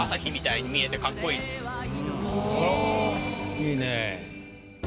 いいね。